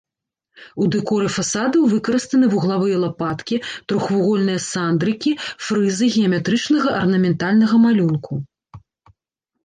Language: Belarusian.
У дэкоры фасадаў выкарыстаны вуглавыя лапаткі, трохвугольныя сандрыкі, фрызы геаметрычнага арнаментальнага малюнку.